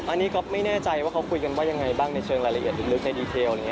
อันนี้ก็ไม่แน่ใจว่าเขาคุยกันว่ายังไงบ้างในเชิงรายละเอียดลึกในดีเทล